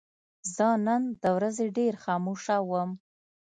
زه نن د ورځې ډېر خاموشه وم.